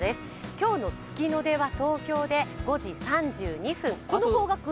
今日の月の出は東京で５時３２分この方角？